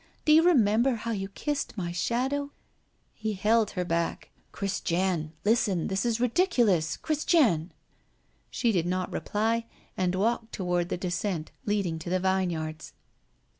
Do you remember how you kissed my shadow?" He held her back: "Christiane listen this is ridiculous Christiane!" She did not reply, and walked toward the descent leading to the vineyards.